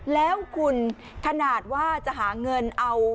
แล้วคุณขนาดว่าจะหาเงินเอา